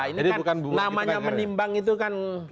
ini kan namanya menimbang itu kan